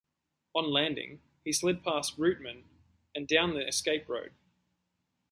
On landing, he slid past Reutemann and down the escape road.